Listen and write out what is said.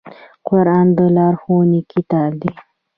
قرآن د لارښوونې کتاب دی